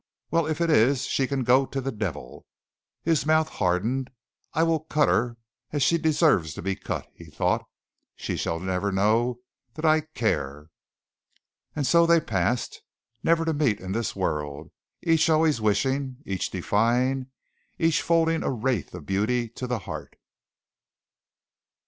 Well, if it is she can go to the devil!" His mouth hardened. "I will cut her as she deserves to be cut," he thought. "She shall never know that I care." And so they passed, never to meet in this world each always wishing, each defying, each folding a wraith of beauty to the heart.